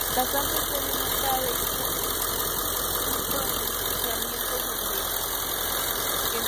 La Santa Sede nunca ha hecho un pronunciamiento sobre ella.